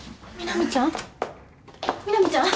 南ちゃん？